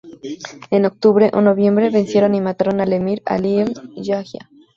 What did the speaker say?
En octubre o noviembre, vencieron y mataron al emir Ali ibn Yahya.